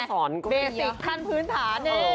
อย่างนี้เป็นยังไงเดสิกท่านพื้นฐานนี้